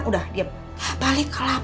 bu ini kamu agak gelap